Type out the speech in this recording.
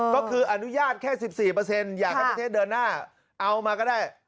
ก็คืออนุญาตแค่๑๔อยากให้ประเทศเดินหน้าเอามาก็ได้